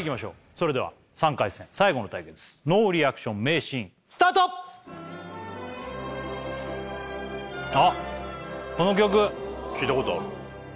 それでは３回戦最後の対決ノーリアクション名シーンスタートあっこの曲聞いたことあるあっ！